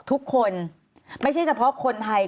ทุกคนไม่ใช่เฉพาะคนไทย